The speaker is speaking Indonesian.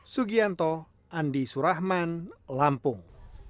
sugianto andi surahman lampung